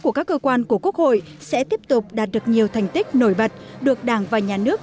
của các cơ quan của quốc hội sẽ tiếp tục đạt được nhiều thành tích nổi bật được đảng và nhà nước